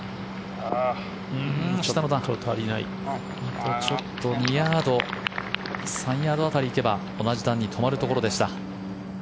あとちょっと２ヤード３ヤード辺り行けば同じ段に止まるところでした。